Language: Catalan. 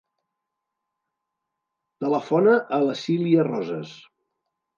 Telefona a la Silya Rosas.